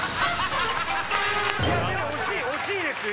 いやでも惜しい惜しいですよ